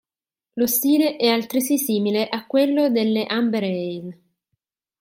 Lo stile è altresì simile a quello delle amber ale.